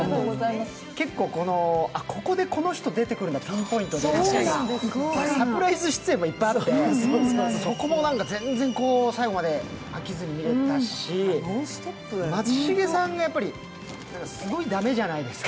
結構、ここでこの人、ピンポイントで出てくるんだっていうサプライズ出演も結構あって、そこも全然最後まで飽きずに見れたし松重さんがすごい駄目じゃないですか。